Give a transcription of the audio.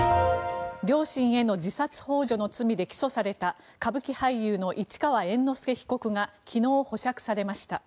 両親への自殺ほう助の罪で起訴された歌舞伎俳優の市川猿之助被告が昨日、保釈されました。